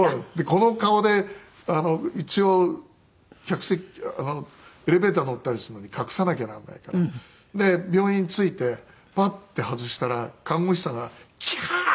この顔で一応客席エレベーター乗ったりするのに隠さなきゃなんないから。で病院着いてパッて外したら看護師さんが「キャー！」